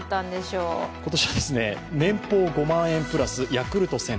今年は年俸５万円プラスヤクルト１０００